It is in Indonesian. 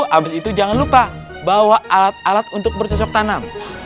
habis itu jangan lupa bawa alat alat untuk bersocok tanam